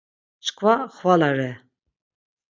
Çkva xvala re.